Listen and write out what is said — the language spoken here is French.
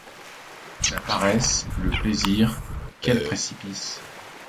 La paresse, le plaisir, quels précipices!